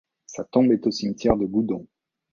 Sa tombe est au cimetière de Goudon.